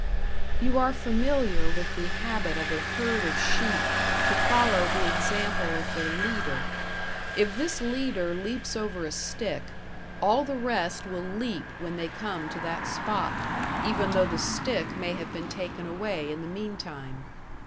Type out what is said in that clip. You are familiar with the habit of a herd of sheep to follow the example of their leader; if this leader leaps over a stick, all the rest will leap when they come to that spot, even though the stick may have been taken away in the meantime.